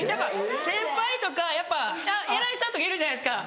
先輩とかやっぱ偉いさんとかいるじゃないですか。